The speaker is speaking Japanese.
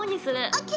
ＯＫ